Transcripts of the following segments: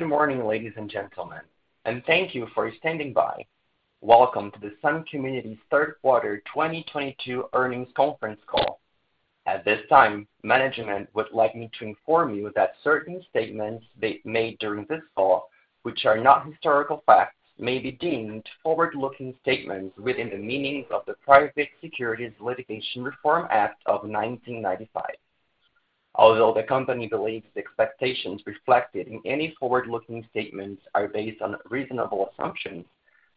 Good morning, ladies and gentlemen, and thank you for standing by. Welcome to the Sun Communities' Third Quarter 2022 Earnings Conference Call. At this time, management would like me to inform you that certain statements they made during this call, which are not historical facts, may be deemed forward-looking statements within the meanings of the Private Securities Litigation Reform Act of 1995. Although the company believes the expectations reflected in any forward-looking statements are based on reasonable assumptions,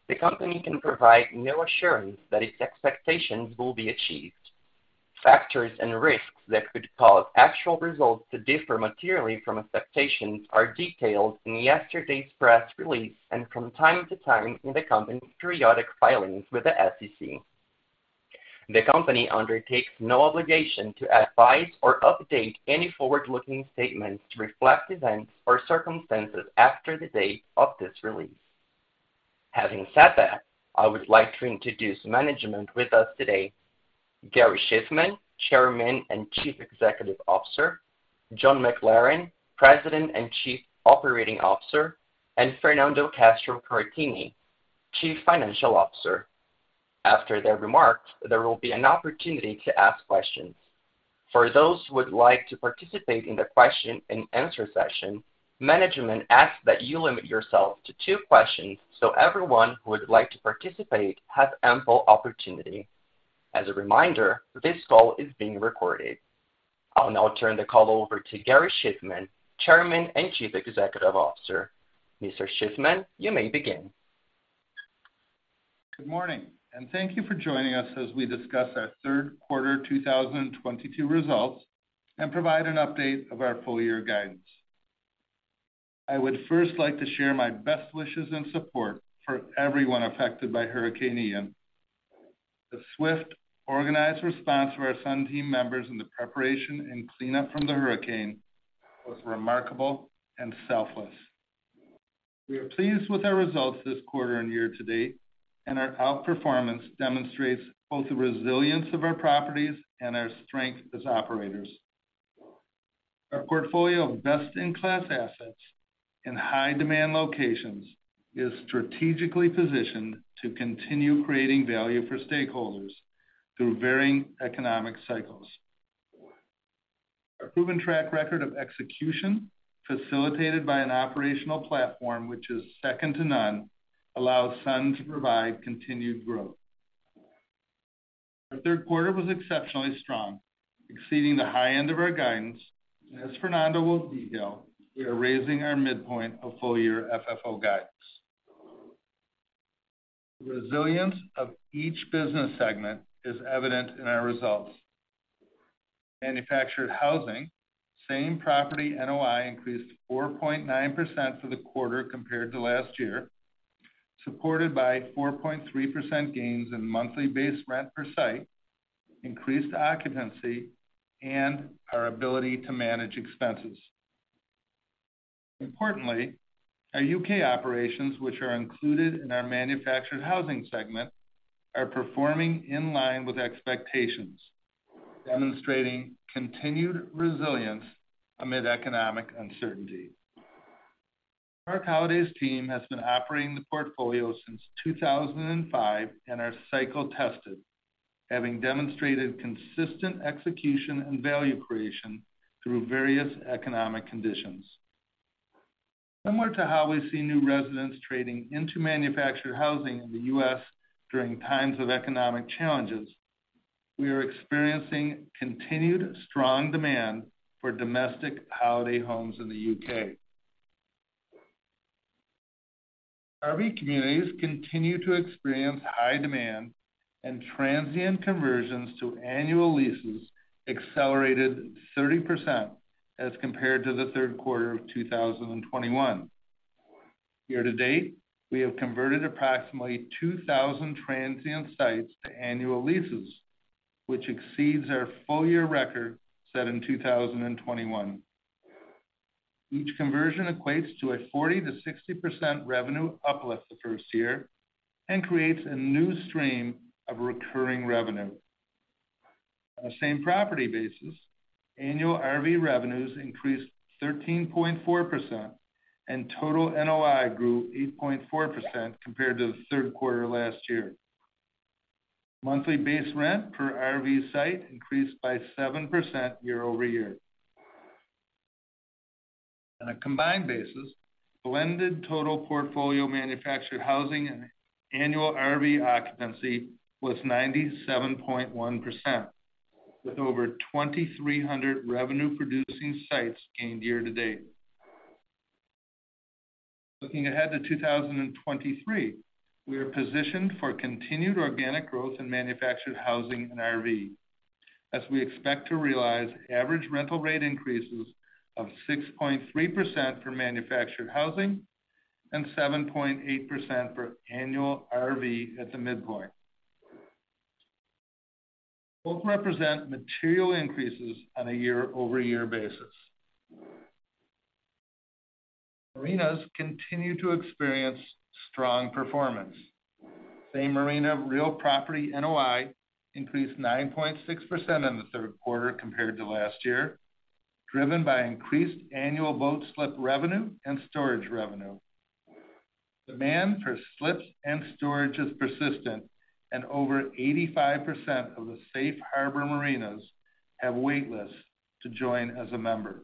the company can provide no assurance that its expectations will be achieved. Factors and risks that could cause actual results to differ materially from expectations are detailed in yesterday's press release and from time to time in the company's periodic filings with the SEC. The company undertakes no obligation to advise or update any forward-looking statements to reflect events or circumstances after the date of this release. Having said that, I would like to introduce management with us today, Gary Shiffman, Chairman and Chief Executive Officer, John McLaren, President and Chief Operating Officer, and Fernando Castro-Caratini, Chief Financial Officer. After their remarks, there will be an opportunity to ask questions. For those who would like to participate in the question-and-answer session, management asks that you limit yourself to two questions so everyone who would like to participate has ample opportunity. As a reminder, this call is being recorded. I'll now turn the call over to Gary Shiffman, Chairman and Chief Executive Officer. Mr. Shiffman, you may begin. Good morning, and thank you for joining us as we discuss our third quarter 2022 results and provide an update of our full year guidance. I would first like to share my best wishes and support for everyone affected by Hurricane Ian. The swift, organized response for our Sun team members in the preparation and cleanup from the hurricane was remarkable and selfless. We are pleased with our results this quarter and year to date, and our outperformance demonstrates both the resilience of our properties and our strength as operators. Our portfolio of best-in-class assets in high demand locations is strategically positioned to continue creating value for stakeholders through varying economic cycles. Our proven track record of execution, facilitated by an operational platform which is second to none, allows Sun to provide continued growth. Our third quarter was exceptionally strong, exceeding the high end of our guidance. As Fernando will detail, we are raising our midpoint of full-year FFO guidance. The resilience of each business segment is evident in our results. Manufactured housing same-property NOI increased 4.9% for the quarter compared to last year, supported by 4.3% gains in monthly base rent per site, increased occupancy, and our ability to manage expenses. Importantly, our U.K. operations, which are included in our Manufactured Housing segment, are performing in line with expectations, demonstrating continued resilience amid economic uncertainty. Park Holidays team has been operating the portfolio since 2005 and are cycle tested, having demonstrated consistent execution and value creation through various economic conditions. Similar to how we see new residents trading into manufactured housing in the U.S. during times of economic challenges, we are experiencing continued strong demand for domestic holiday homes in the U.K. RV communities continue to experience high demand and transient conversions to annual leases accelerated 30% as compared to the third quarter of 2021. Year to date, we have converted approximately 2,000 transient sites to annual leases, which exceeds our full year record set in 2021. Each conversion equates to a 40%-60% revenue uplift the first year and creates a new stream of recurring revenue. On a same property basis, annual RV revenues increased 13.4% and total NOI grew 8.4% compared to the third quarter last year. Monthly base rent per RV site increased by 7% year over year. On a combined basis, blended total portfolio manufactured housing and annual RV occupancy was 97.1%, with over 2,300 revenue producing sites gained year to date. Looking ahead to 2023, we are positioned for continued organic growth in manufactured housing and RV as we expect to realize average rental rate increases of 6.3% for manufactured housing and 7.8% for annual RV at the midpoint. Both represent material increases on a year-over-year basis. Marinas continue to experience strong performance. Same-store marina real property NOI increased 9.6% in the third quarter compared to last year, driven by increased annual boat slip revenue and storage revenue. Demand for slips and storage is persistent, and over 85% of the Safe Harbor Marinas have wait lists to join as a member.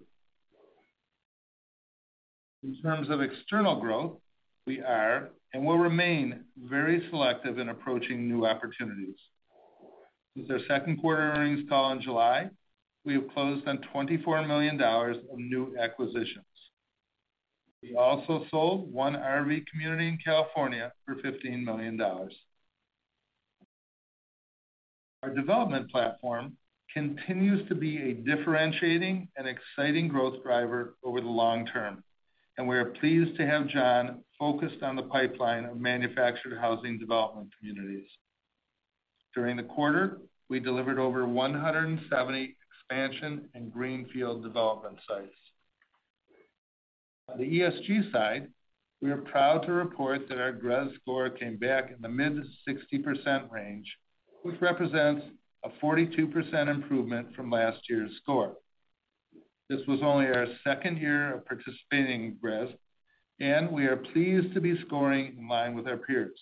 In terms of external growth, we are and will remain very selective in approaching new opportunities. Since our second quarter earnings call in July, we have closed on $24 million of new acquisitions. We also sold one RV community in California for $15 million. Our development platform continues to be a differentiating and exciting growth driver over the long term, and we are pleased to have John focused on the pipeline of manufactured housing development communities. During the quarter, we delivered over 170 expansion and greenfield development sites. On the ESG side, we are proud to report that our GRESB score came back in the mid-60% range, which represents a 42% improvement from last year's score. This was only our second year of participating in GRESB, and we are pleased to be scoring in line with our peers.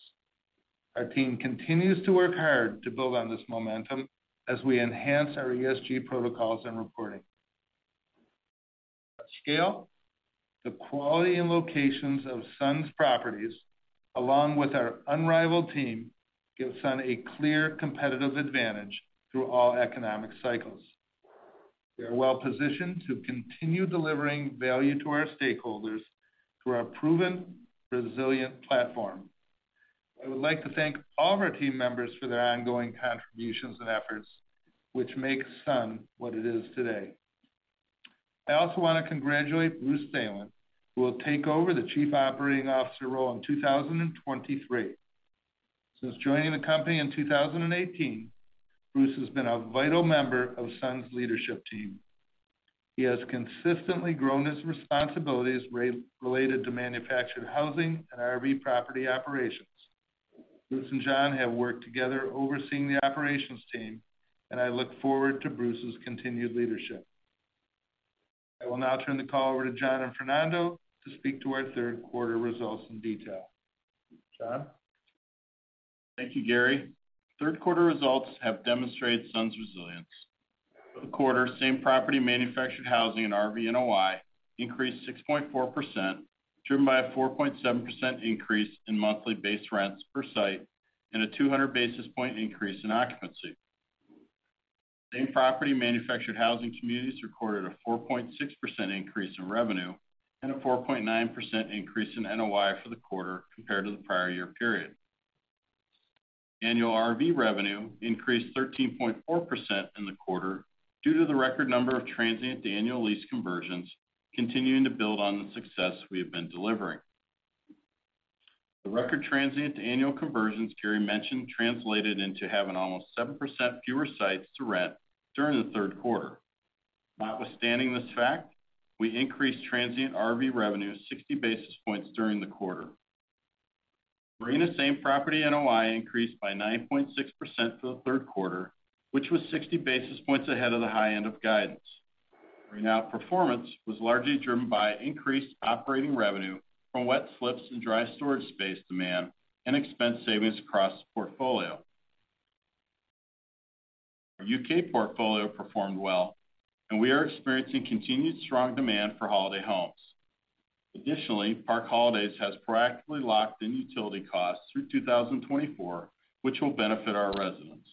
Our team continues to work hard to build on this momentum as we enhance our ESG protocols and reporting. At scale, the quality and locations of Sun's properties along with our unrivaled team give Sun a clear competitive advantage through all economic cycles. We are well positioned to continue delivering value to our stakeholders through our proven, resilient platform. I would like to thank all of our team members for their ongoing contributions and efforts, which makes Sun what it is today. I also want to congratulate Bruce Thelen, who will take over the Chief Operating Officer role in 2023. Since joining the company in 2018, Bruce has been a vital member of Sun's leadership team. He has consistently grown his responsibilities related to manufactured housing and RV property operations. Bruce and John have worked together overseeing the operations team, and I look forward to Bruce's continued leadership. I will now turn the call over to John and Fernando to speak to our third quarter results in detail. John? Thank you, Gary. Third quarter results have demonstrated Sun's resilience. The quarter same-property manufactured housing and RV NOI increased 6.4%, driven by a 4.7% increase in monthly base rents per site and a 200 basis point increase in occupancy. Same-property manufactured housing communities recorded a 4.6% increase in revenue and a 4.9% increase in NOI for the quarter compared to the prior year period. Annual RV revenue increased 13.4% in the quarter due to the record number of transient to annual lease conversions continuing to build on the success we have been delivering. The record transient to annual conversions Gary mentioned translated into having almost 7% fewer sites to rent during the third quarter. Notwithstanding this fact, we increased transient RV revenue 60 basis points during the quarter. Marina same-property NOI increased by 9.6% for the third quarter, which was 60 basis points ahead of the high end of guidance. Marina outperformance was largely driven by increased operating revenue from wet slips and dry storage space demand and expense savings across the portfolio. Our U.K. portfolio performed well, and we are experiencing continued strong demand for holiday homes. Additionally, Park Holidays U.K. Has proactively locked in utility costs through 2024, which will benefit our residents.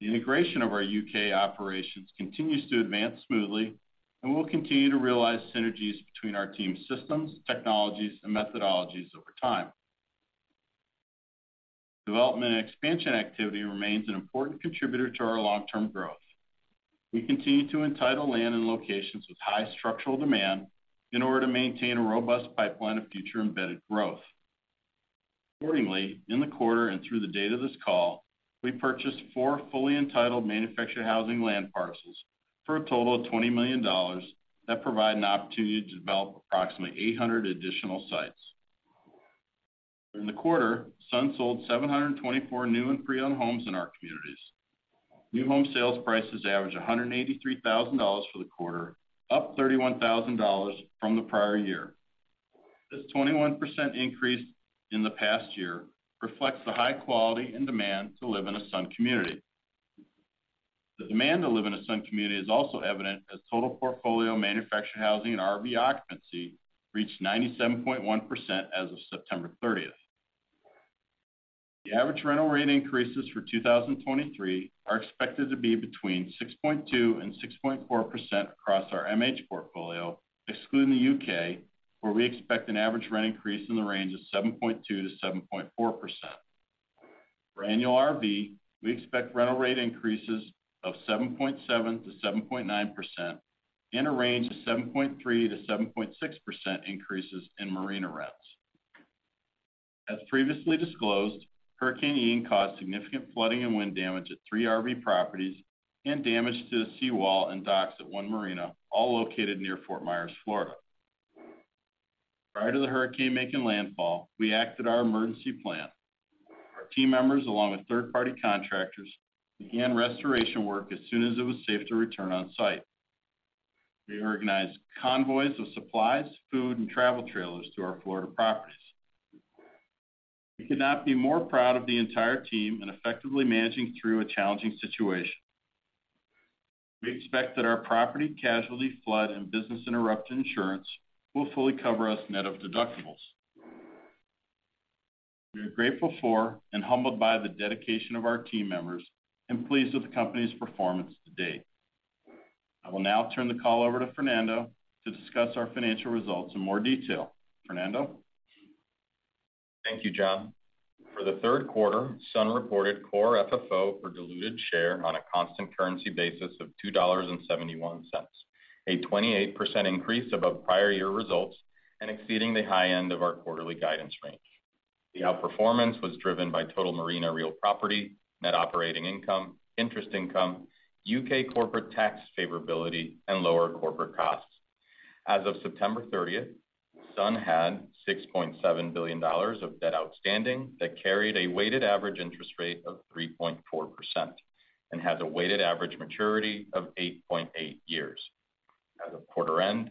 The integration of our U.K. operations continues to advance smoothly, and we'll continue to realize synergies between our team's systems, technologies, and methodologies over time. Development and expansion activity remains an important contributor to our long-term growth. We continue to entitle land in locations with high structural demand in order to maintain a robust pipeline of future embedded growth. Accordingly, in the quarter and through the date of this call, we purchased four fully entitled manufactured housing land parcels for a total of $20 million that provide an opportunity to develop approximately 800 additional sites. During the quarter, Sun sold 724 new and pre-owned homes in our communities. New home sales prices averaged $183,000 for the quarter, up $31,000 from the prior year. This 21% increase in the past year reflects the high quality and demand to live in a Sun community. The demand to live in a Sun community is also evident as total portfolio manufactured housing and RV occupancy reached 97.1% as of September 30. The average rental rate increases for 2023 are expected to be between 6.2% and 6.4% across our MH portfolio, excluding the U.K., where we expect an average rent increase in the range of 7.2%-7.4%. For annual RV, we expect rental rate increases of 7.7%-7.9% and a range of 7.3%-7.6% increases in marina rents. As previously disclosed, Hurricane Ian caused significant flooding and wind damage at three RV properties and damage to the seawall and docks at one marina, all located near Fort Myers, Florida. Prior to the hurricane making landfall, we activated our emergency plan. Our team members, along with third-party contractors, began restoration work as soon as it was safe to return on site. We organized convoys of supplies, food, and travel trailers to our Florida properties. We could not be more proud of the entire team in effectively managing through a challenging situation. We expect that our property and casualty, flood, and business interruption insurance will fully cover us net of deductibles. We are grateful for and humbled by the dedication of our team members and pleased with the company's performance to date. I will now turn the call over to Fernando to discuss our financial results in more detail. Fernando? Thank you, John. For the third quarter, Sun reported core FFO per diluted share on a constant currency basis of $2.71, a 28% increase above prior year results and exceeding the high end of our quarterly guidance range. The outperformance was driven by total marina real property, net operating income, interest income, U.K. corporate tax favorability, and lower corporate costs. As of September 30, Sun had $6.7 billion of debt outstanding that carried a weighted average interest rate of 3.4% and has a weighted average maturity of 8.8 years. As of quarter end,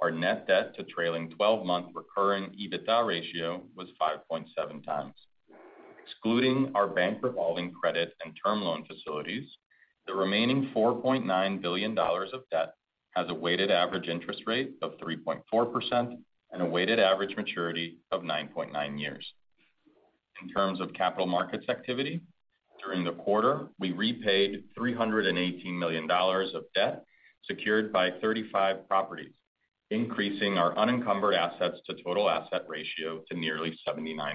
our net debt to trailing 12-month recurring EBITDA ratio was 5.7x. Excluding our bank revolving credit and term loan facilities, the remaining $4.9 billion of debt has a weighted average interest rate of 3.4% and a weighted average maturity of 9.9 years. In terms of capital markets activity, during the quarter, we repaid $318 million of debt secured by 35 properties, increasing our unencumbered assets to total asset ratio to nearly 79%.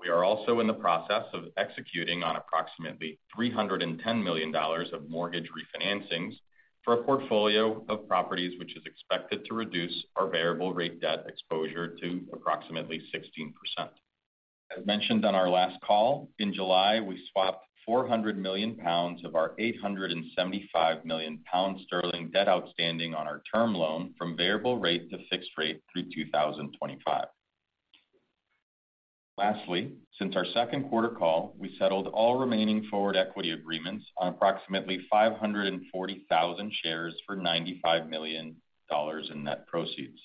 We are also in the process of executing on approximately $310 million of mortgage refinancings for a portfolio of properties, which is expected to reduce our variable rate debt exposure to approximately 16%. As mentioned on our last call, in July, we swapped 400 million pounds of our 875 million pound sterling debt outstanding on our term loan from variable rate to fixed rate through 2025. Lastly, since our second quarter call, we settled all remaining forward equity agreements on approximately 540,000 shares for $95 million in net proceeds.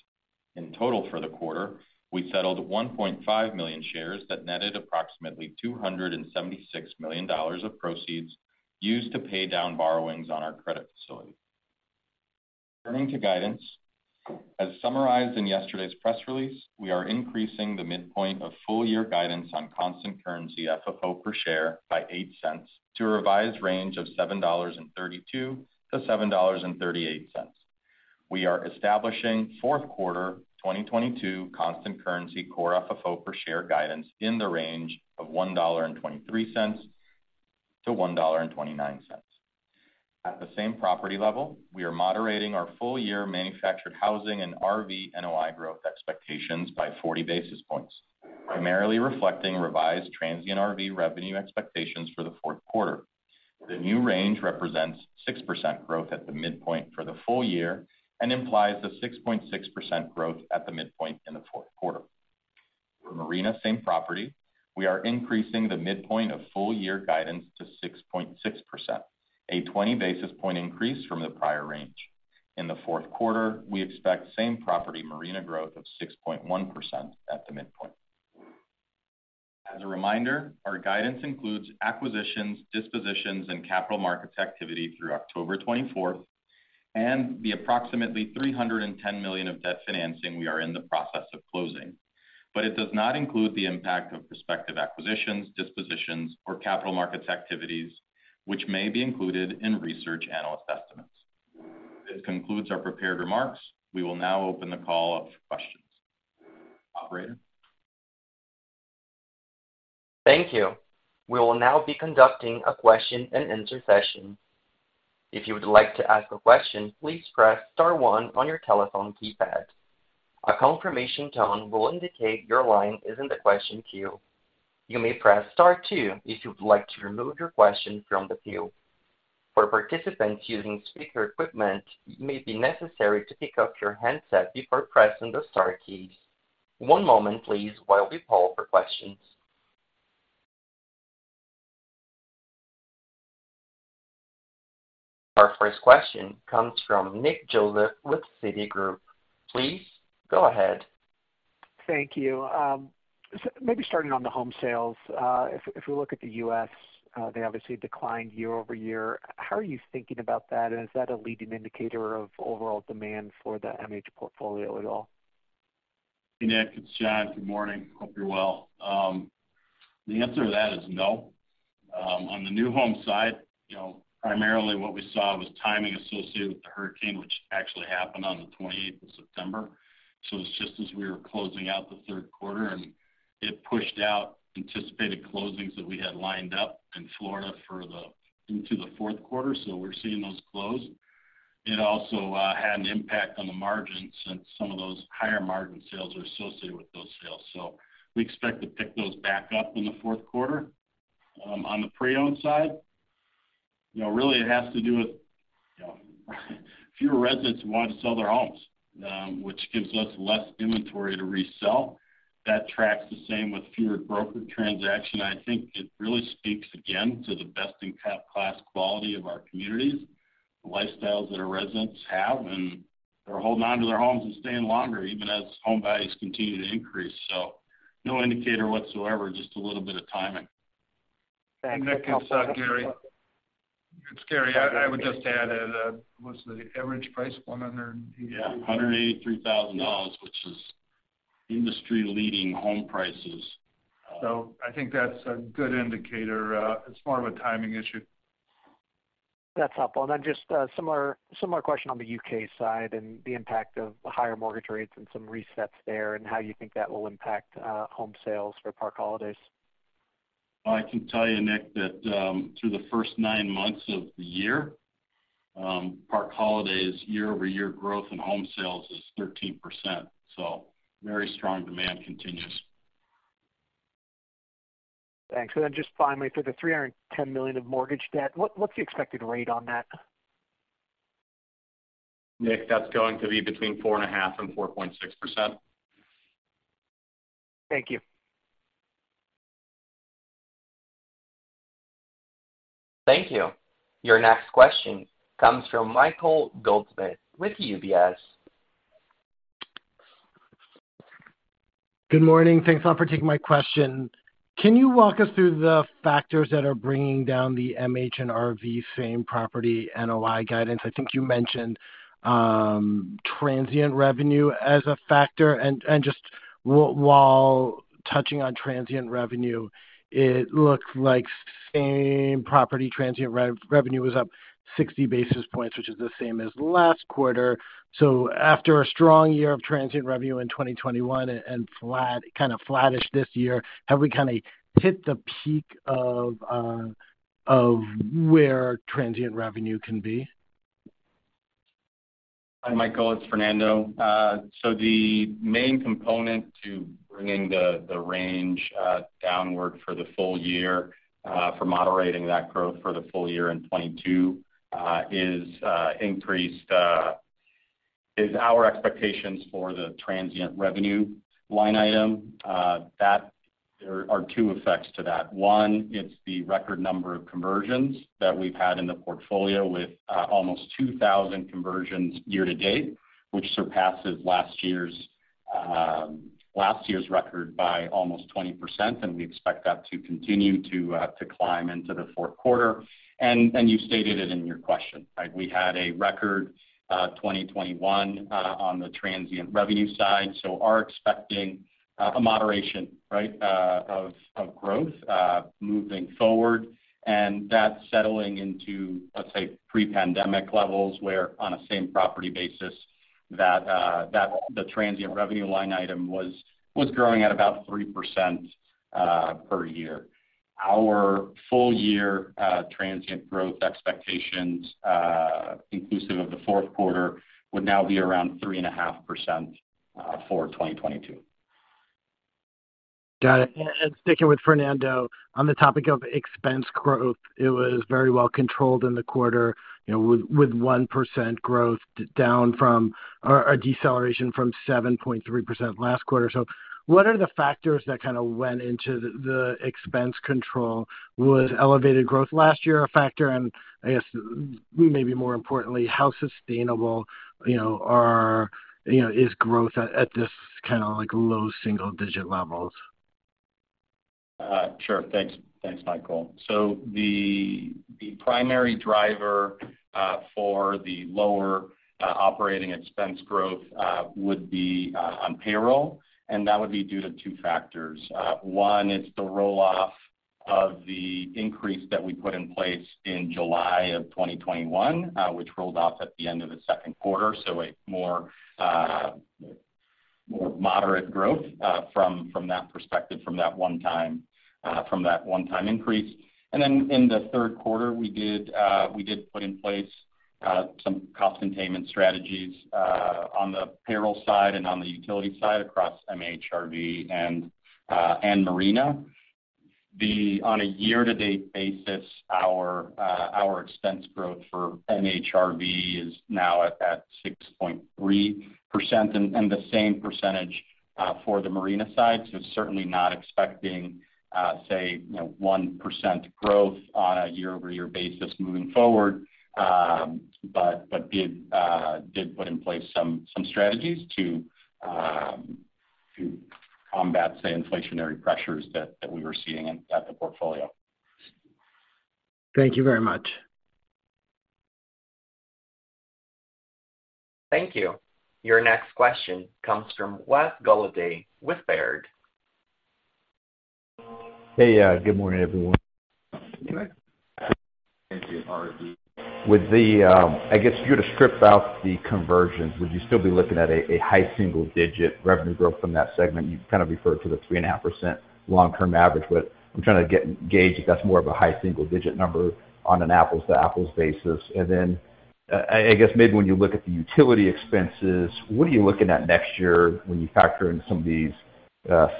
In total for the quarter, we settled 1.5 million shares that netted approximately $276 million of proceeds used to pay down borrowings on our credit facility. Turning to guidance, as summarized in yesterday's press release, we are increasing the midpoint of full year guidance on constant currency FFO per share by $0.08 to a revised range of $7.32-$7.38. We are establishing fourth quarter 2022 constant currency core FFO per share guidance in the range of $1.23-$1.29. At the same property level, we are moderating our full year manufactured housing and RV NOI growth expectations by 40 basis points, primarily reflecting revised transient RV revenue expectations for the fourth quarter. The new range represents 6% growth at the midpoint for the full year and implies a 6.6% growth at the midpoint in the fourth quarter. For marina same property, we are increasing the midpoint of full year guidance to 6.6%, a 20 basis point increase from the prior range. In the fourth quarter, we expect same property marina growth of 6.1% at the midpoint. As a reminder, our guidance includes acquisitions, dispositions, and capital markets activity through October 24 and the approximately $310 million of debt financing we are in the process of closing. It does not include the impact of prospective acquisitions, dispositions, or capital markets activities, which may be included in research analyst estimates. This concludes our prepared remarks. We will now open the call up for questions. Operator? Thank you. We will now be conducting a question-and-answer session. If you would like to ask a question, please press star 1 on your telephone keypad. A confirmation tone will indicate your line is in the question queue. You may press star 2 if you would like to remove your question from the queue. For participants using speaker equipment, it may be necessary to pick up your handset before pressing the star keys. One moment, please, while we poll for questions. Our first question comes from Nick Joseph with Citigroup. Please go ahead. Thank you. Maybe starting on the home sales. If we look at the U.S., they obviously declined year-over-year. How are you thinking about that? Is that a leading indicator of overall demand for the MH portfolio at all? Hey, Nick, it's John. Good morning. Hope you're well. The answer to that is no. On the new home side, you know, primarily what we saw was timing associated with the hurricane, which actually happened on the 28th of September. It's just as we were closing out the third quarter, and it pushed out anticipated closings that we had lined up in Florida into the fourth quarter. We're seeing those close. It also had an impact on the margins since some of those higher margin sales are associated with those sales. We expect to pick those back up in the fourth quarter. On the pre-owned side You know, really it has to do with, you know, fewer residents who want to sell their homes, which gives us less inventory to resell. That tracks the same with fewer broker transactions. I think it really speaks again to the best-in-class quality of our communities, the lifestyles that our residents have, and they're holding onto their homes and staying longer, even as home values continue to increase. No indicator whatsoever, just a little bit of timing. Thanks. Nick it's Gary. Gary. I would just add, was the average price $180- Yeah, $183,000, which is industry-leading home prices. I think that's a good indicator. It's more of a timing issue. That's helpful. Then just, similar question on the U.K. side and the impact of higher mortgage rates and some resets there, and how you think that will impact, home sales for Park Holidays? I can tell you, Nick, that, through the first nine months of the year, Park Holidays year-over-year growth in home sales is 13%, so very strong demand continues. Thanks. Just finally, for the $310 million of mortgage debt, what's the expected rate on that? Nick, that's going to be between 4.5 and 4.6%. Thank you. Thank you. Your next question comes from Michael Goldsmith with UBS. Good morning. Thanks a lot for taking my question. Can you walk us through the factors that are bringing down the MH and RV same property NOI guidance? I think you mentioned, transient revenue as a factor. Just while touching on transient revenue, it looks like same property transient revenue was up 60 basis points, which is the same as last quarter. After a strong year of transient revenue in 2021 and flat, kind of flattish this year, have we kinda hit the peak of where transient revenue can be? Hi, Michael, it's Fernando. So the main component to bringing the range downward for the full year for moderating that growth for the full year in 2022 is our increased expectations for the transient revenue line item. That there are two effects to that. One, it's the record number of conversions that we've had in the portfolio with almost 2,000 conversions year to date, which surpasses last year's record by almost 20%, and we expect that to continue to climb into the fourth quarter. You stated it in your question, right? We had a record 2021 on the transient revenue side, so are expecting a moderation, right, of growth moving forward. That's settling into, let's say, pre-pandemic levels, where on a same property basis the transient revenue line item was growing at about 3% per year. Our full year transient growth expectations inclusive of the fourth quarter would now be around 3.5% for 2022. Got it. Sticking with Fernando, on the topic of expense growth, it was very well controlled in the quarter, you know, with 1% growth down from or a deceleration from 7.3% last quarter. What are the factors that kinda went into the expense control? Was elevated growth last year a factor? I guess maybe more importantly, how sustainable, you know, are, you know, is growth at this kinda like low single digit levels? Sure. Thanks, Michael. The primary driver for the lower operating expense growth would be on payroll, and that would be due to two factors. One is the roll-off of the increase that we put in place in July of 2021, which rolled off at the end of the second quarter, so a more moderate growth from that perspective, from that one-time increase. In the third quarter, we did put in place some cost containment strategies on the payroll side and on the utility side across MHRV and marina. On a year-to-date basis, our expense growth for MHRV is now at that 6.3% and the same percentage for the marina side. Certainly not expecting, say, you know, 1% growth on a year-over-year basis moving forward. Did put in place some strategies to combat, say, inflationary pressures that we were seeing at the portfolio. Thank you very much. Thank you. Your next question comes from Wes Golladay with Baird. Hey, good morning, everyone. Good morning. With the, I guess if you were to strip out the conversions, would you still be looking at a high single digit revenue growth from that segment? You kind of referred to the 3.5% long-term average, but I'm trying to gauge if that's more of a high single digit number on an apples to apples basis. I guess maybe when you look at the utility expenses, what are you looking at next year when you factor in some of these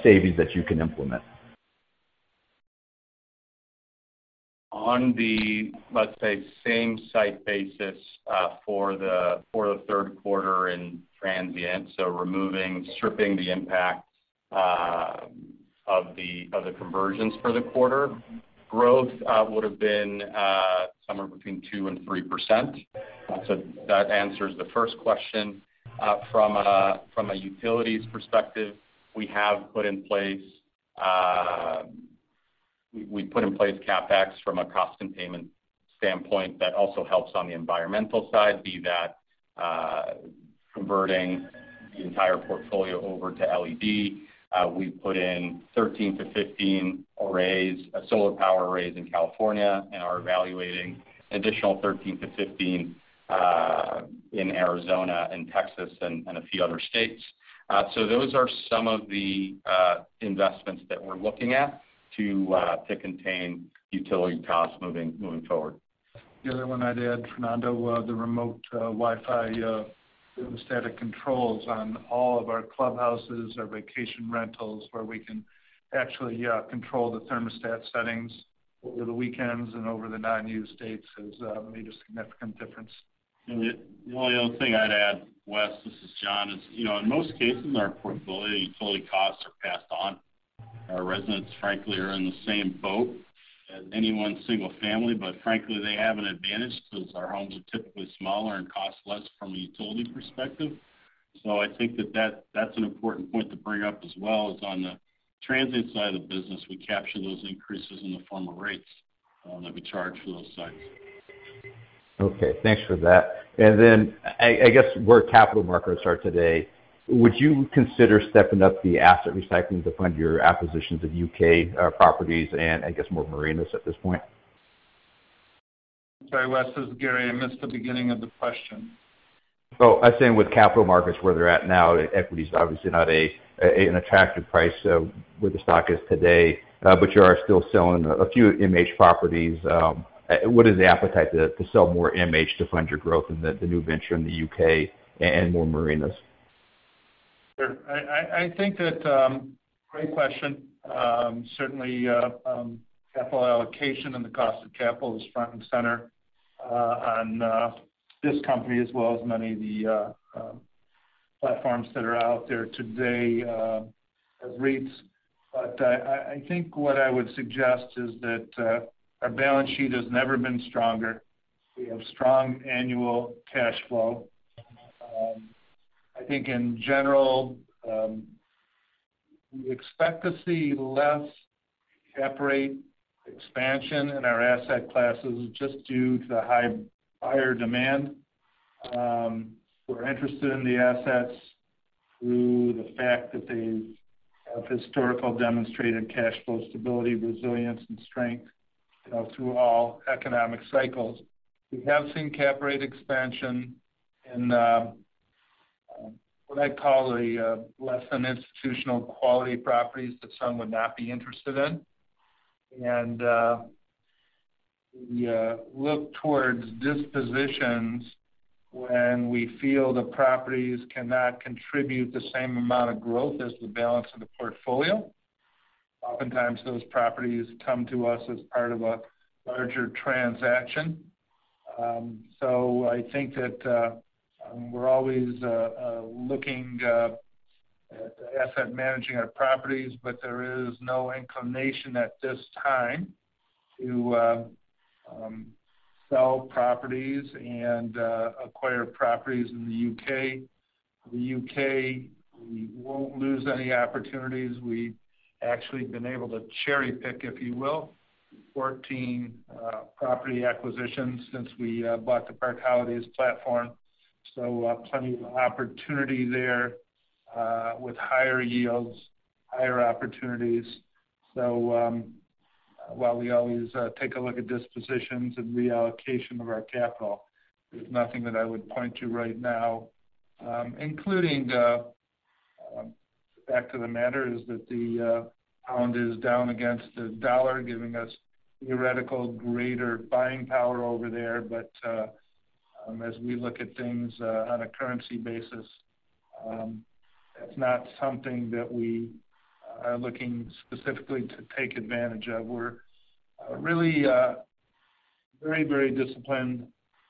savings that you can implement? On the, let's say, same site basis, for the third quarter in transient, so removing, stripping the impact of the conversions for the quarter, growth would have been somewhere between 2% and 3%. That answers the first question. From a utilities perspective, we have put in place CapEx from a cost containment standpoint that also helps on the environmental side, be that converting the entire portfolio over to LED. We've put in 13-15 arrays, solar power arrays in California and are evaluating an additional 13-15 in Arizona and Texas and a few other states. Those are some of the investments that we're looking at to contain utility costs moving forward. The other one I'd add, Fernando, the remote Wi-Fi thermostatic controls on all of our clubhouses, our vacation rentals, where we can actually, yeah, control the thermostat settings over the weekends and over the non-use dates has made a significant difference. The only other thing I'd add, Wes, this is John, is, you know, in most cases, our portfolio utility costs are passed on. Our residents, frankly, are in the same boat as any one single family, but frankly, they have an advantage because our homes are typically smaller and cost less from a utility perspective. I think that that's an important point to bring up as well, is on the transient side of the business, we capture those increases in the form of rates that we charge for those sites. Okay, thanks for that. I guess, where capital markets are today, would you consider stepping up the asset recycling to fund your acquisitions of U.K. properties and I guess more marinas at this point? Sorry, Wes, this is Gary. I missed the beginning of the question. I'm saying with capital markets where they're at now, the equity is obviously not an attractive price where the stock is today. But you are still selling a few MH properties. What is the appetite to sell more MH to fund your growth in the new venture in the U.K. and more marinas? Sure. I think that, great question. Certainly, capital allocation and the cost of capital is front and center on this company, as well as many of the platforms that are out there today as REITs. I think what I would suggest is that our balance sheet has never been stronger. We have strong annual cash flow. I think in general, we expect to see less cap rate expansion in our asset classes just due to the higher demand. We're interested in the assets through the fact that they have historical demonstrated cash flow stability, resilience, and strength through all economic cycles. We have seen cap rate expansion in what I call the less than institutional quality properties that some would not be interested in. We look towards dispositions when we feel the properties cannot contribute the same amount of growth as the balance of the portfolio. Oftentimes, those properties come to us as part of a larger transaction. I think that we're always looking at asset managing our properties, but there is no inclination at this time to sell properties and acquire properties in the U.K. The U.K., we won't lose any opportunities. We've actually been able to cherry-pick, if you will, 14 property acquisitions since we bought the Park Holidays platform. Plenty of opportunity there with higher yields, higher opportunities. While we always take a look at dispositions and reallocation of our capital, there's nothing that I would point to right now, including the- The fact of the matter is that the pound is down against the dollar, giving us theoretical greater buying power over there. As we look at things on a currency basis, that's not something that we are looking specifically to take advantage of. We're really very, very disciplined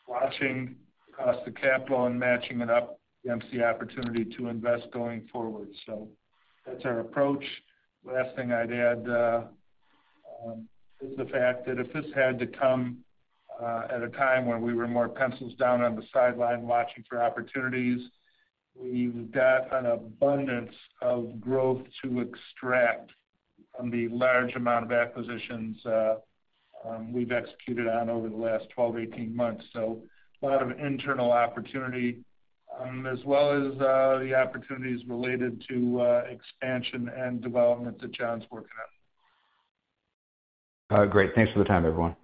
watching cost of capital and matching it up against the opportunity to invest going forward. That's our approach. Last thing I'd add is the fact that if this had to come at a time when we were more pencils down on the sideline watching for opportunities, we've got an abundance of growth to extract from the large amount of acquisitions we've executed on over the last 12-18 months. A lot of internal opportunity, as well as the opportunities related to expansion and development that John's working on. Great. Thanks for the time, everyone.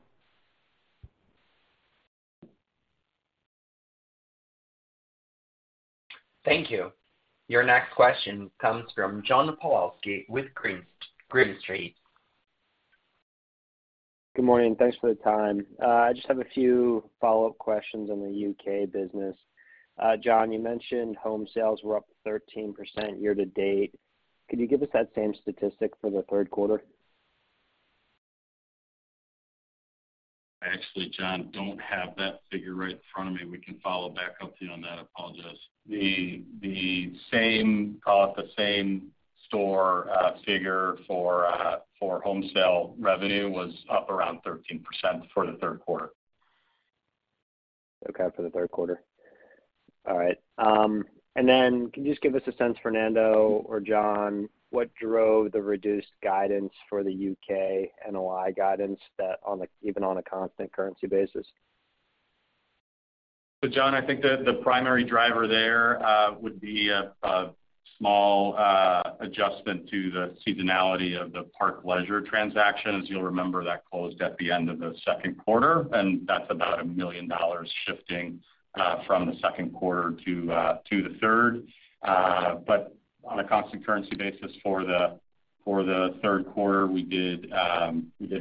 Thank you. Your next question comes from John Pawlowski with Green Street. Good morning. Thanks for the time. I just have a few follow-up questions on the U.K. business. John, you mentioned home sales were up 13% year to date. Could you give us that same statistic for the third quarter? I actually, John, don't have that figure right in front of me. We can follow up with you on that. I apologize. The same store figure for home sale revenue was up around 13% for the third quarter. Okay. For the third quarter. All right. Can you just give us a sense, Fernando or John, what drove the reduced guidance for the U.K. NOI guidance, even on a constant currency basis? John, I think the primary driver there would be a small adjustment to the seasonality of the Park Leisure transaction. As you'll remember, that closed at the end of the second quarter, and that's about $1 million shifting from the second quarter to the third. On a constant currency basis for the third quarter, we did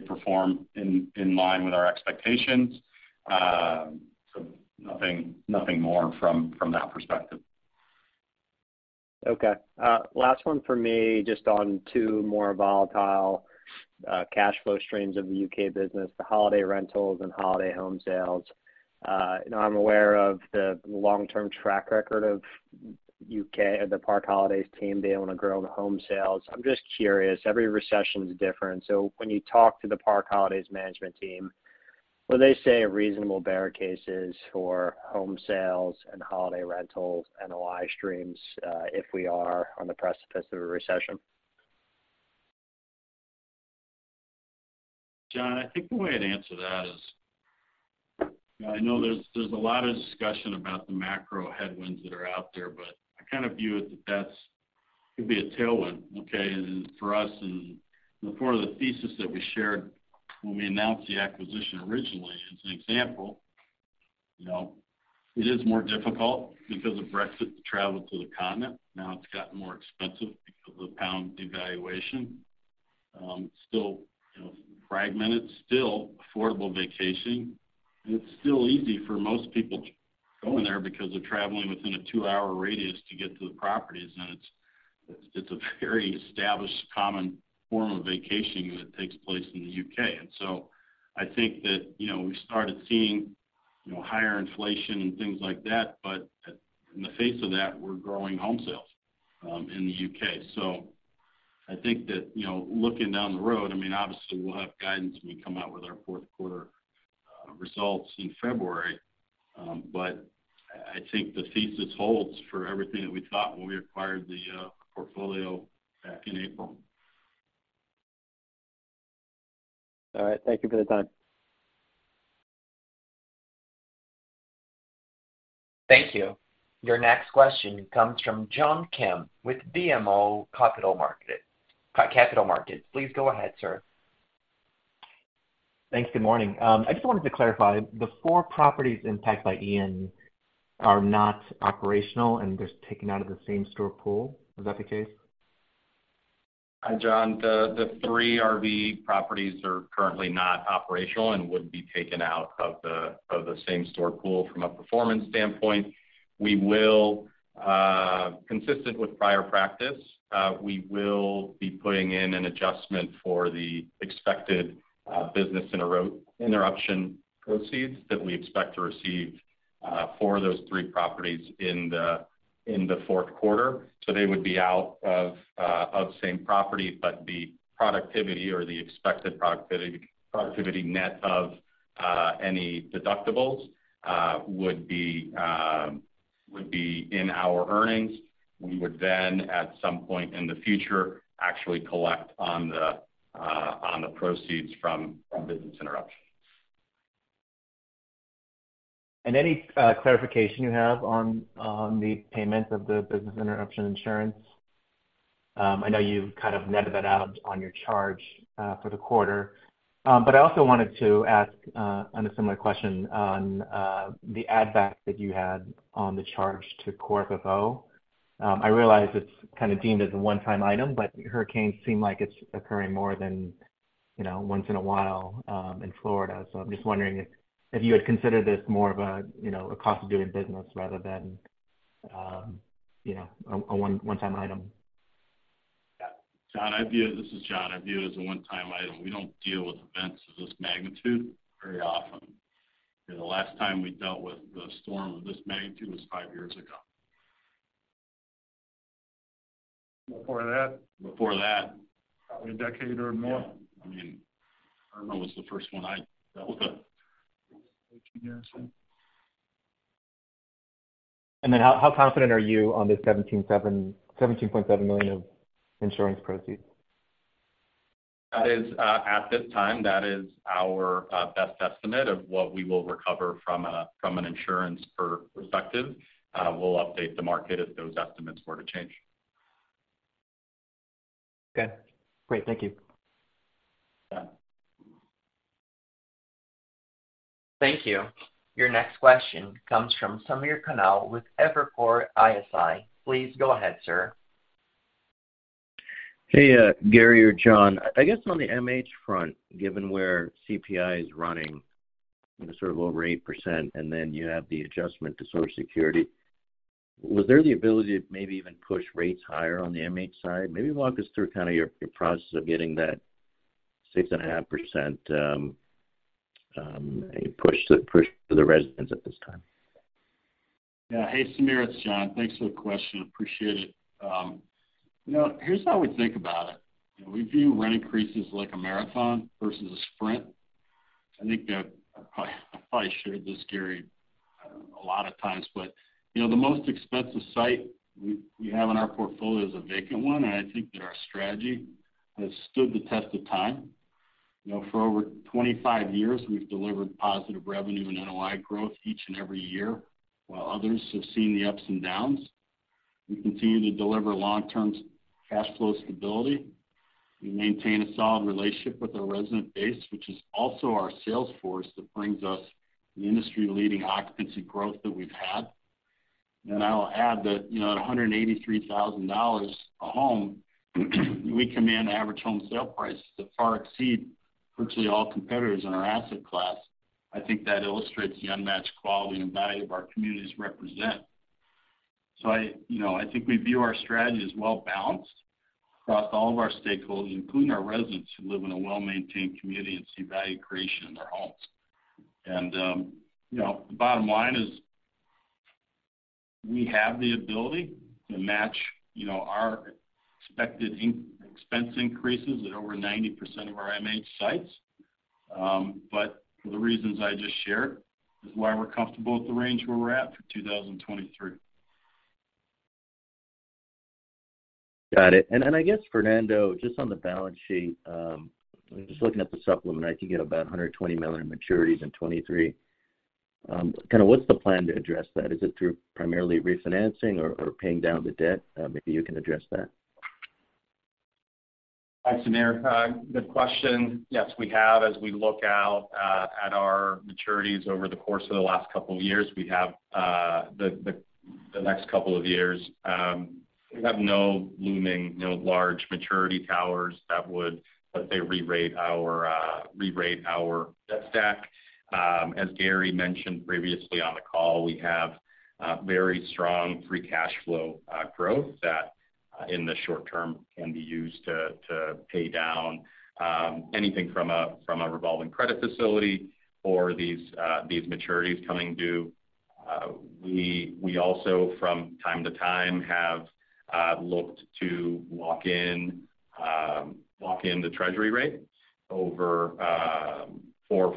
perform in line with our expectations. Nothing more from that perspective. Okay. Last one for me, just on two more volatile cash flow streams of the U.K. business, the holiday rentals and holiday home sales. You know, I'm aware of the long-term track record of U.K. or the Park Holidays team being able to grow the home sales. I'm just curious, every recession is different. When you talk to the Park Holidays management team, would they say a reasonable bear case is for home sales and holiday rentals, NOI streams, if we are on the precipice of a recession? John, I think the way to answer that is. I know there's a lot of discussion about the macro headwinds that are out there, but I kind of view it that that could be a tailwind, okay? For us, and for the thesis that we shared when we announced the acquisition originally as an example, you know, it is more difficult because of Brexit to travel to the continent. Now it's gotten more expensive because of the pound devaluation. Still, you know, fragmented, still affordable vacation, and it's still easy for most people to go in there because they're traveling within a two-hour radius to get to the properties. It's a very established common form of vacation that takes place in the U.K. I think that, you know, we started seeing, you know, higher inflation and things like that. In the face of that, we're growing home sales in the U.K. I think that, you know, looking down the road, I mean, obviously, we'll have guidance when we come out with our fourth quarter results in February. I think the thesis holds for everything that we thought when we acquired the portfolio back in April. All right. Thank you for the time. Thank you. Your next question comes from John Kim with BMO Capital Markets. Please go ahead, sir. Thanks. Good morning. I just wanted to clarify, the four properties impacted by Ian are not operational and just taken out of the same-store pool. Is that the case? Hi, John. The three RV properties are currently not operational and would be taken out of the same-store pool from a performance standpoint. We will, consistent with prior practice, be putting in an adjustment for the expected business interruption proceeds that we expect to receive for those three properties in the fourth quarter. They would be out of same-property, but the productivity or the expected productivity net of any deductibles would be in our earnings. We would then, at some point in the future, actually collect on the proceeds from business interruption. Any clarification you have on the payment of the business interruption insurance? I know you've kind of netted that out on your charge for the quarter. I also wanted to ask on a similar question on the add back that you had on the charge to core FFO. I realize it's kind of deemed as a one-time item, but hurricanes seem like it's occurring more than you know once in a while in Florida. I'm just wondering if you had considered this more of a you know a cost of doing business rather than you know a one-time item. Yeah, John, I view it as a one-time item. We don't deal with events of this magnitude very often. You know, the last time we dealt with a storm of this magnitude was five years ago. Before that. Before that. Probably a decade or more. Yeah. I mean, Irma was the first one I dealt with. 18 years in. How confident are you on the $17.7 million of insurance proceeds? That is, at this time, that is our best estimate of what we will recover from an insurance perspective. We'll update the market if those estimates were to change. Okay, great. Thank you. Yeah. Thank you. Your next question comes from Samir Khanal with Evercore ISI. Please go ahead, sir. Hey, Gary or John. I guess on the MH front, given where CPI is running sort of over 8%, and then you have the adjustment to Social Security, was there the ability to maybe even push rates higher on the MH side? Maybe walk us through kind of your process of getting that 6.5% push to the residents at this time. Yeah. Hey, Samir, it's John. Thanks for the question. Appreciate it. You know, here's how we think about it. We view rent increases like a marathon versus a sprint. I think that I probably shared this, Gary, a lot of times, but, you know, the most expensive site we have in our portfolio is a vacant one. I think that our strategy has stood the test of time. You know, for over 25 years, we've delivered positive revenue and NOI growth each and every year, while others have seen the ups and downs. We continue to deliver long-term cash flow stability. We maintain a solid relationship with our resident base, which is also our sales force that brings us the industry-leading occupancy growth that we've had. I'll add that, you know, at $183,000 a home, we command average home sale prices that far exceed virtually all competitors in our asset class. I think that illustrates the unmatched quality and value of our communities represent. So I, you know, I think we view our strategy as well-balanced across all of our stakeholders, including our residents who live in a well-maintained community and see value creation in their homes. You know, the bottom line is, we have the ability to match, you know, our expected income-expense increases at over 90% of our MH sites. But for the reasons I just shared is why we're comfortable with the range where we're at for 2023. Got it. I guess, Fernando, just on the balance sheet, I'm just looking at the supplement. I can get about $120 million in maturities in 2023. Kind of what's the plan to address that? Is it through primarily refinancing or paying down the debt? Maybe you can address that. Hi, Samir. Good question. Yes, as we look out at our maturities over the course of the last couple of years, we have the next couple of years, we have no large maturity towers that would re-rate our debt stack. As Gary mentioned previously on the call, we have very strong free cash flow growth that in the short term can be used to pay down anything from a revolving credit facility or these maturities coming due. We also from time to time have looked to lock in the Treasury rate for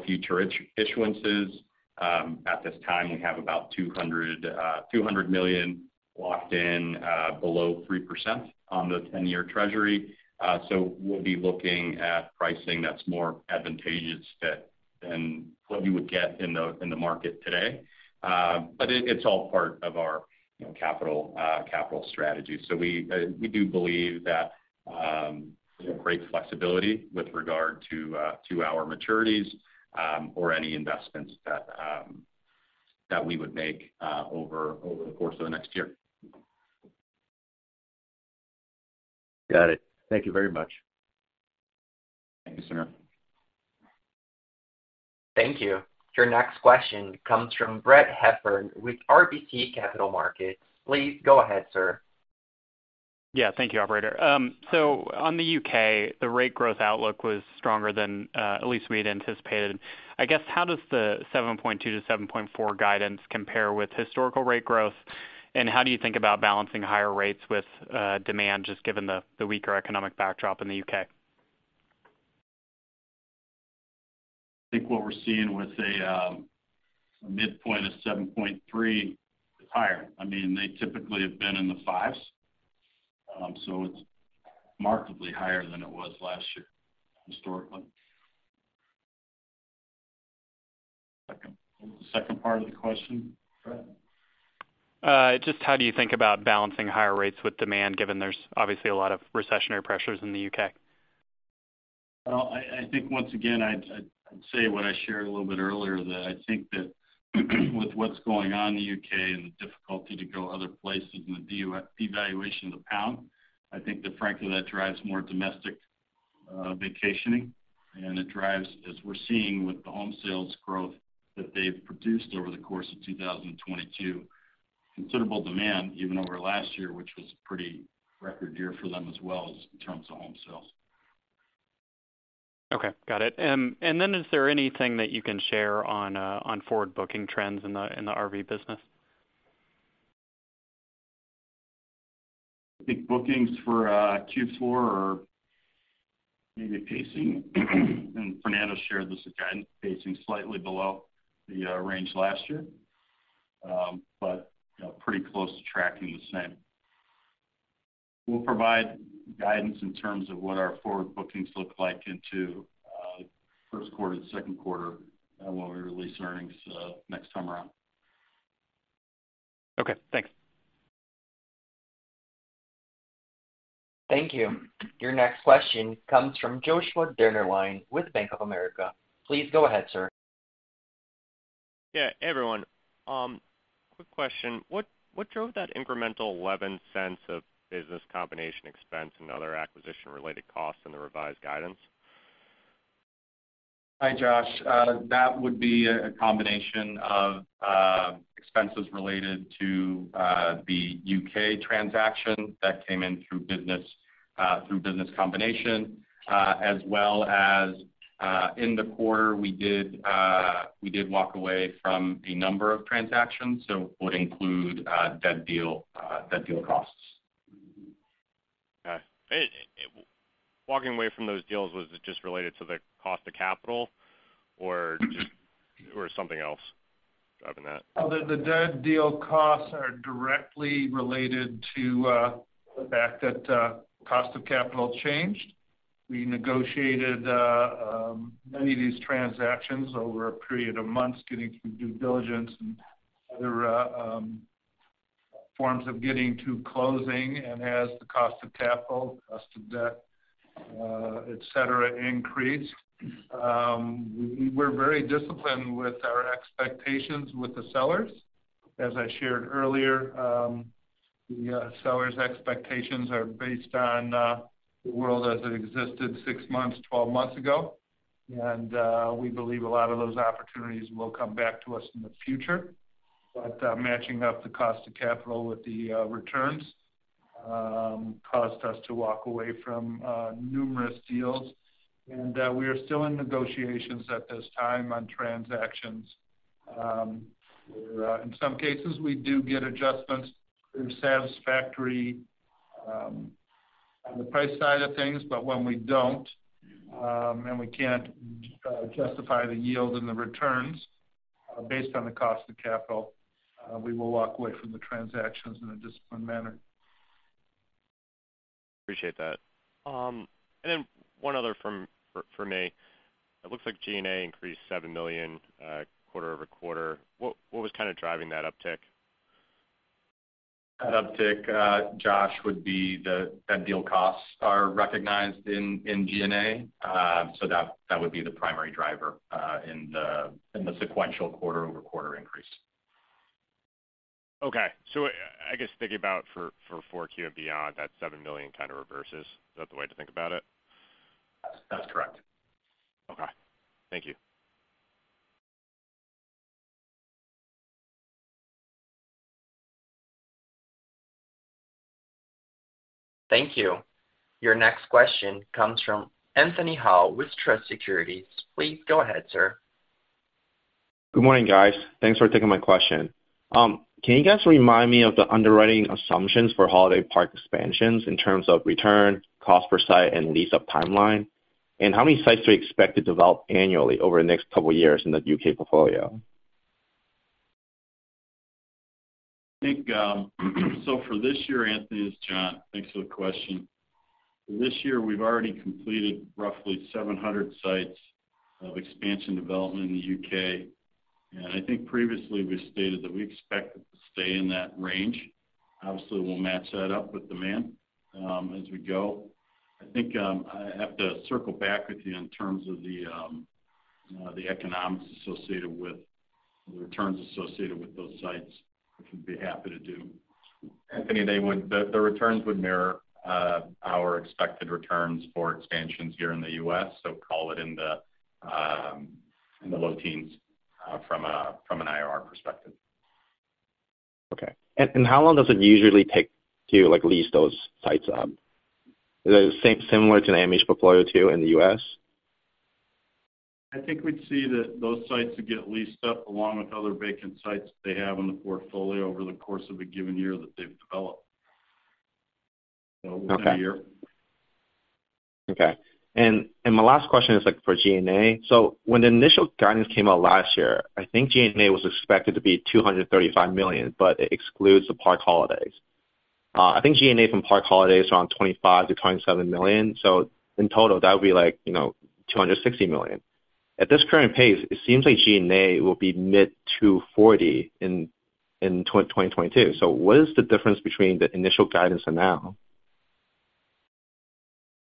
future issuances. At this time, we have about $200 million locked in below 3% on the 10-year Treasury. We'll be looking at pricing that's more advantageous than what we would get in the market today. It's all part of our, you know, capital strategy. We do believe that we have great flexibility with regard to our maturities or any investments that we would make over the course of the next year. Got it. Thank you very much. Thank you, sir. Thank you. Your next question comes from Brad Heffern with RBC Capital Markets. Please go ahead, sir. Yeah, thank you, operator. So on the U.K., the rate growth outlook was stronger than at least we had anticipated. I guess how does the 7.2%-7.4% guidance compare with historical rate growth, and how do you think about balancing higher rates with demand, just given the weaker economic backdrop in the U.K.? I think what we're seeing with a midpoint of 7.3% is higher. I mean, they typically have been in the 5s, so it's markedly higher than it was last year, historically. Second, the second part of the question, Brett? Just how do you think about balancing higher rates with demand, given there's obviously a lot of recessionary pressures in the U.K.? Well, I think once again, I'd say what I shared a little bit earlier, that I think that with what's going on in the U.K. and the difficulty to go other places and the devaluation of the pound, I think that frankly, that drives more domestic vacationing, and it drives, as we're seeing with the home sales growth that they've produced over the course of 2022, considerable demand even over last year, which was pretty record year for them as well in terms of home sales. Okay, got it. Is there anything that you can share on forward booking trends in the RV business? I think bookings for Q4 are maybe pacing. Fernando shared this guidance, pacing slightly below the range last year. You know, pretty close to tracking the same. We'll provide guidance in terms of what our forward bookings look like into first quarter and second quarter, when we release earnings next time around. Okay, thanks. Thank you. Your next question comes from Joshua Dennerlein with Bank of America. Please go ahead, sir. Hey, everyone. Quick question. What drove that incremental $0.11 of business combination expense and other acquisition-related costs in the revised guidance? Hi, Josh. That would be a combination of expenses related to the U.K. transaction that came in through business combination, as well as in the quarter, we did walk away from a number of transactions, so it would include dead deal costs. Okay. Walking away from those deals, was it just related to the cost of capital or just- Mm-hmm. - something else driving that? Well, the dead deal costs are directly related to the fact that cost of capital changed. We negotiated many of these transactions over a period of months getting through due diligence and other forms of getting to closing. As the cost of capital, cost of debt, et cetera, increased, we're very disciplined with our expectations with the sellers. As I shared earlier, the sellers' expectations are based on the world as it existed six months, 12 months ago. We believe a lot of those opportunities will come back to us in the future. Matching up the cost of capital with the returns caused us to walk away from numerous deals. We are still in negotiations at this time on transactions. Where in some cases we do get adjustments if satisfactory on the price side of things. When we don't and we can't justify the yield and the returns based on the cost of capital, we will walk away from the transactions in a disciplined manner. Appreciate that. One other for me. It looks like G&A increased $7 million quarter-over-quarter. What was kind of driving that uptick? That uptick, Josh, would be the dead deal costs are recognized in G&A. So that would be the primary driver in the sequential quarter-over-quarter increase. Okay. I guess thinking about for Q4 and beyond, that $7 million kind of reverses. Is that the way to think about it? That's correct. Okay. Thank you. Thank you. Your next question comes from Anthony Hau with Truist Securities. Please go ahead, sir. Good morning, guys. Thanks for taking my question. Can you guys remind me of the underwriting assumptions for Park Holidays expansions in terms of return, cost per site, and lease-up timeline? How many sites do you expect to develop annually over the next couple years in the U.K. portfolio? I think, for this year, Anthony, it's John. Thanks for the question. This year, we've already completed roughly 700 sites of expansion development in the U.K. I think previously we stated that we expect it to stay in that range. Obviously, we'll match that up with demand, as we go. I think, I have to circle back with you in terms of the returns associated with those sites, which I'd be happy to do. Anthony Hau, the returns would mirror our expected returns for expansions here in the U.S. Call it in the low teens from an IRR perspective. Okay. How long does it usually take to, like, lease those sites up? Is it similar to the AMH portfolio too in the U.S.? I think we'd see that those sites would get leased up along with other vacant sites they have in the portfolio over the course of a given year that they've developed- Okay. - within a year. Okay. My last question is, like, for G&A. When the initial guidance came out last year, I think G&A was expected to be $235 million, but it excludes the Park Holidays. I think G&A from Park Holidays is around $25 million-$27 million. In total, that would be like, you know, $260 million. At this current pace, it seems like G&A will be mid $240 million in 2022. What is the difference between the initial guidance and now?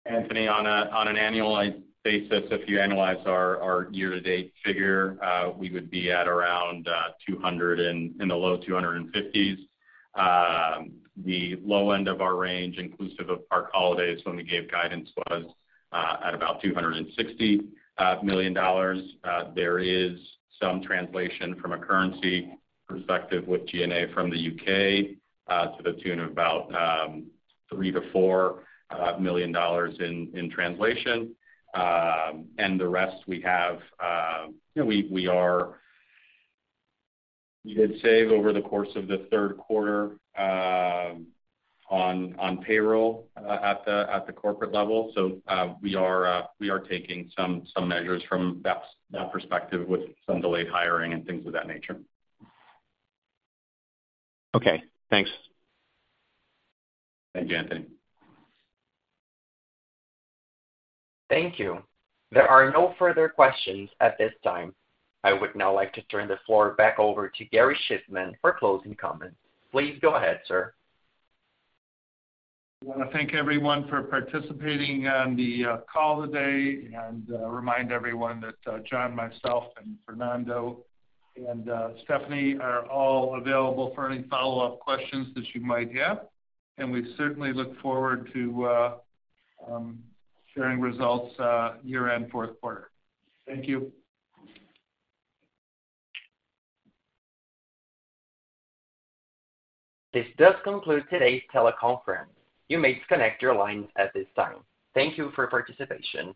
Anthony, on an annualized basis, if you annualize our year-to-date figure, we would be at around $200 million and in the low $250 million. The low end of our range, inclusive of Park Holidays when we gave guidance, was at about $260 million. There is some translation from a currency perspective with G&A from the U.K. to the tune of about $3 million-$4 million in translation. The rest we have, you know, we did save over the course of the third quarter on payroll at the corporate level. We are taking some measures from that perspective with some delayed hiring and things of that nature. Okay, thanks. Thank you, Anthony. Thank you. There are no further questions at this time. I would now like to turn the floor back over to Gary Shiffman for closing comments. Please go ahead, sir. I wanna thank everyone for participating on the call today. Remind everyone that John, myself, and Fernando, and Stephanie are all available for any follow-up questions that you might have. We certainly look forward to sharing results year-end, fourth quarter. Thank you. This does conclude today's teleconference. You may disconnect your lines at this time. Thank you for participation.